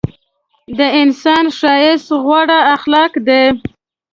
د انسان ښایست غوره اخلاق دي.